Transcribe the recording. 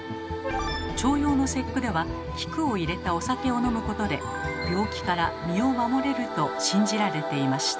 重陽の節句では菊を入れたお酒を飲むことで病気から身を守れると信じられていました。